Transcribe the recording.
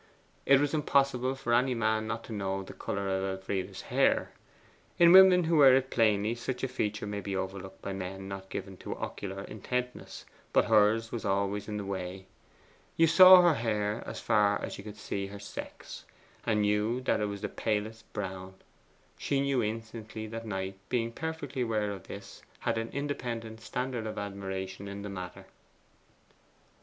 It was impossible for any man not to know the colour of Elfride's hair. In women who wear it plainly such a feature may be overlooked by men not given to ocular intentness. But hers was always in the way. You saw her hair as far as you could see her sex, and knew that it was the palest brown. She knew instantly that Knight, being perfectly aware of this, had an independent standard of admiration in the matter.